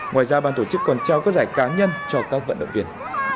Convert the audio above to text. ngoài ra ban tổ chức còn trao các giải cá nhân cho các vận động viên